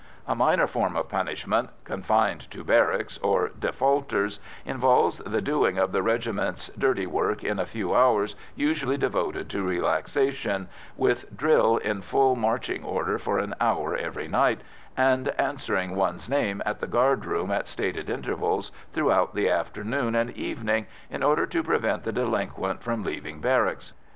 A minor form of punishment, "confined to barracks," or "defaulters'," involves the doing of the regiment's dirty work in the few hours usually devoted to relaxation, with drill in full marching order for an hour every night, and answering one's name at the guard room at stated intervals throughout the afternoon and evening, in order to prevent the delinquent from leaving barracks.